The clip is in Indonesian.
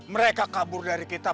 mereka kabur dari kita